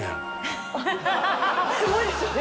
すごいですよね